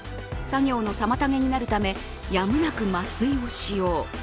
作業の妨げになるためやむなく麻酔を使用。